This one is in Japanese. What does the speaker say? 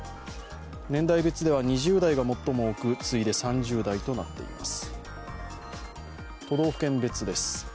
年代別では２０代が最も多く次いで３０代となっています。